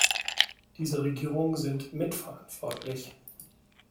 Diese Regierungen sind mitverantwortlich.